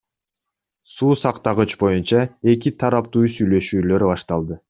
Суу сактагыч боюнча эки тараптуу сүйлөшүүлөр башталды.